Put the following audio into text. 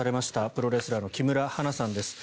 プロレスラーの木村花さんです。